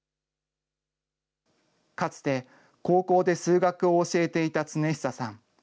かつて高校で数学を教えていた亘久さん。